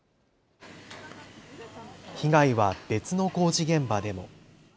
被害は別の工事現場でも。